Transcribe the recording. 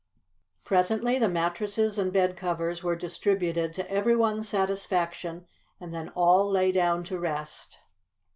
Presently the mattresses and bedcovers were distributed to everyone's satisfaction, and then all lay down to rest.